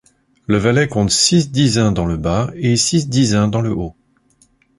Le Valais compte six dizains dans le Bas et six dizains dans le Haut.